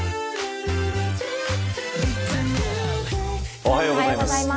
おはようございます。